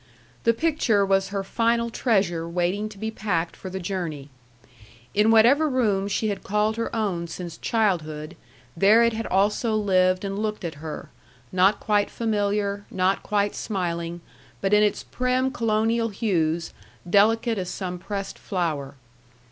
The picture was her final treasure waiting to be packed for the journey. In whatever room she had called her own since childhood, there it had also lived and looked at her, not quite familiar, not quite smiling, but in its prim colonial hues delicate as some pressed flower.